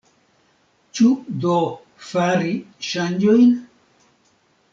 Ĉu do fari ŝanĝojn?